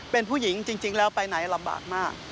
เป็นผู้หญิงจริงแล้วไปไหนลำบากมาก